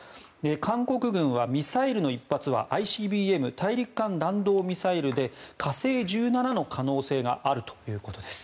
韓国軍はミサイルの１発はＩＣＢＭ・大陸間弾道ミサイルで「火星１７」の可能性があるということです。